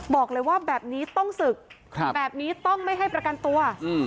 บอกเลยว่าแบบนี้ต้องศึกแบบนี้ต้องไม่ให้ประกันตัว